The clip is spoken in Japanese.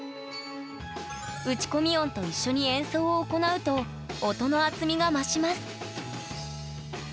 打ち込み音と一緒に演奏を行うと音の厚みが増します